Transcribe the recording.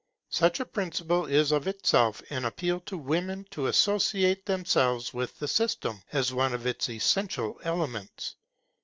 Such a principle is of itself an appeal to women to associate themselves with the system, as one of its essential elements.